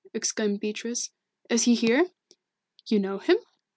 exclaimed Beatrice. "Is he here?" "You know him?"